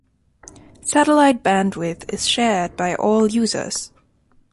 Satellite bandwidth is shared by all users.